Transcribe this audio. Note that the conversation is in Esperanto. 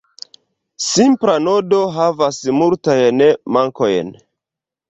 Simpla nodo havas multajn mankojn.